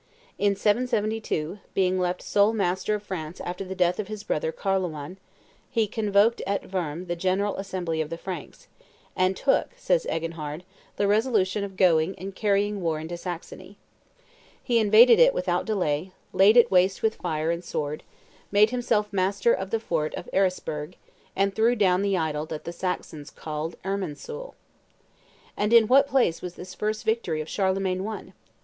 In 772, being left sole master of France after the death of his brother Carloman, he convoked at Worms the general assembly of the Franks, "and took," says Eginhard, "the resolution of going and carrying war into Saxony. He invaded it without delay, laid it waste with fire and sword, made himself master of the fort of Ehresburg, and threw down the idol that the Saxons called Irminsul." And in what place was this first victory of Charlemagne won?